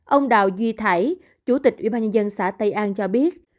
ông đào duy thải chủ tịch ủy ban nhân dân xã tây an cho biết